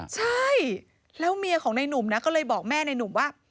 ใช่แล้วเมียของในหนุ่มนะก็เลยบอกแม่ในหนุ่มว่า